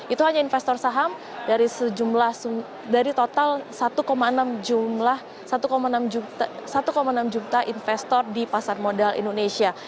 itu hanya investor saham dari total satu enam juta investor di pasar modal indonesia